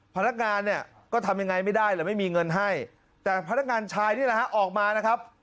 พนักงานเนี่ยก็ทำยังไงไม่ได้เลยไม่มีเงินให้แต่พนักงานชายนี่แหละฮะออกมานะครับ